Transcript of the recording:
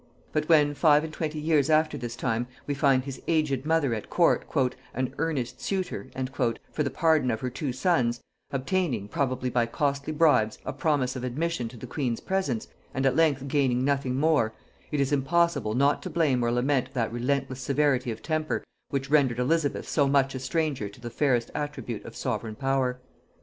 But when, five and twenty years after this time, we find his aged mother at court "an earnest suitor" for the pardon of her two sons; obtaining, probably by costly bribes, a promise of admission to the queen's presence, and at length gaining nothing more, it is impossible not to blame or lament that relentless severity of temper which rendered Elizabeth so much a stranger to the fairest attribute of sovereign power.